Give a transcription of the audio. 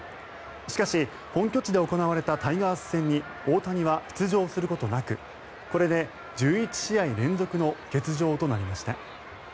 しかし、本拠地で行われたタイガース戦に大谷は出場することなくこれで１１試合連続の欠場となりました。